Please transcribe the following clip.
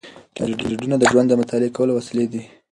اسټروېډونه د ژوند د مطالعه کولو وسیله دي.